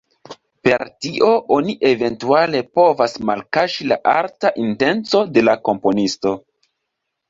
Per tio oni eventuale povas malkaŝi la arta intenco de la komponisto.